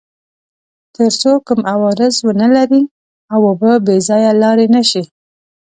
تر څو کوم عوارض ونلري او اوبه بې ځایه لاړې نه شي.